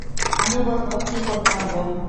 আমি বলবো কি করতে হবে।